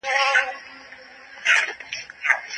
درملنه کېدای شي د مزاج د ثابت ساتلو لپاره وي.